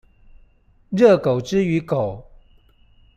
熱狗之於狗